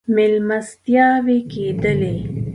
مېلمستیاوې کېدلې.